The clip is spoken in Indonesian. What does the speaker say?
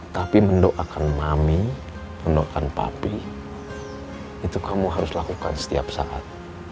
tapi mendoakan mami mendoakan papi itu kamu harus lakukan setiap saat